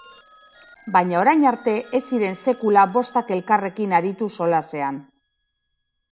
Baina orain arte, ez ziren sekula bostak elkarrekin aritu solasean.